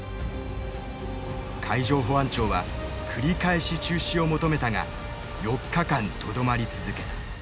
海上保安庁は繰り返し中止を求めたが４日間とどまり続けた。